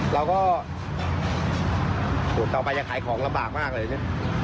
เราก็อยู่ต่อไปจะขายของลำบากมากเลยนะ